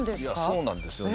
そうなんですよね。